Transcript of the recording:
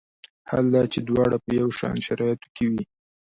حال دا چې دواړه په یو شان شرایطو کې وي.